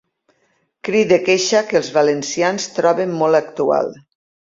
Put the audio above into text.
Crit de queixa que els valencians troben molt actual.